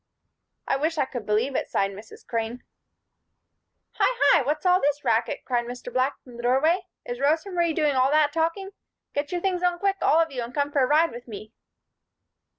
"I wish I could believe it," sighed Mrs. Crane. "Hi, hi! What's all this racket?" cried Mr. Black from the doorway. "Is Rosa Marie doing all that talking? Get your things on quick, all of you, and come for a ride with me."